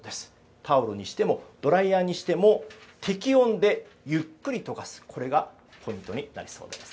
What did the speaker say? タオルにしてもドライヤーにしても適温でゆっくり溶かすこれがポイントになりそうです。